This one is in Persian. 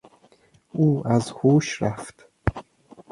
او از هوش رفت.